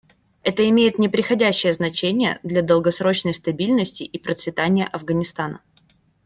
Это имеет непреходящее значение для долгосрочной стабильности и процветания Афганистана.